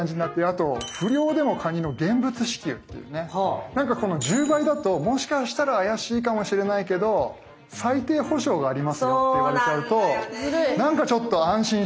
あと不漁でもカニの現物支給というねなんかこの１０倍だともしかしたら怪しいかもしれないけど最低保証がありますって言われちゃうと何かちょっと安心しちゃう。